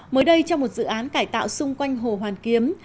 mới đây trong một dự án cải tạo xung quanh hồ hoàn kiếm